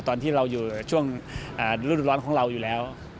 ตอนที่เราอยู่ช่วงรุ่นร้อนของเราอยู่แล้ว